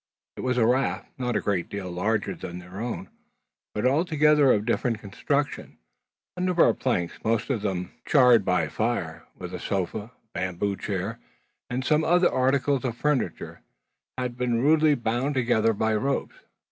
It was a raft, not a great deal larger than their own, but altogether of different construction. A number of planks most of them charred by fire, with a sofa, a bamboo chair, and some other articles of furniture, had been rudely bound together by ropes.